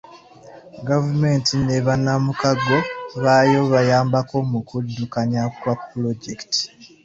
Gavumenti ne bannamkago baayo bayambako muu kuddukanya kwa pulojekiti.